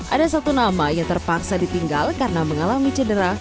ada satu nama yang terpaksa ditinggal karena mengalami cedera